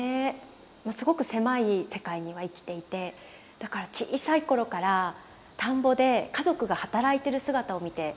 まあすごく狭い世界には生きていてだから小さい頃から田んぼで家族が働いてる姿を見て育った。